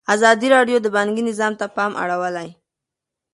ازادي راډیو د بانکي نظام ته پام اړولی.